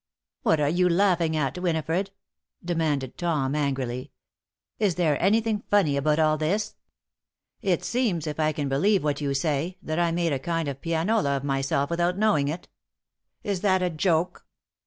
"What are you laughing at, Winifred?" demanded Tom, angrily. "Is there anything funny about all this? It seems, if I can believe what you say, that I made a kind of pianola of myself without knowing it. Is that a joke?